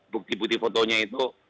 bukti bukti fotonya itu